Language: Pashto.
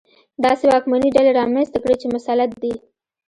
داسې واکمنې ډلې رامنځته کړي چې مسلط دي.